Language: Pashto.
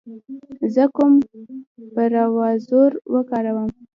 زه کوم براوزر و کاروم